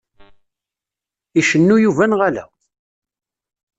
Icennu Yuba neɣ ala?